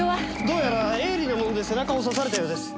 どうやら鋭利なもので背中を刺されたようです。